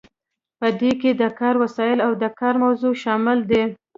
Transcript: په دې کې د کار وسایل او د کار موضوع شامل دي.